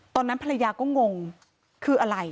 ตอนนั้นภรรยาก็งงคืออะไร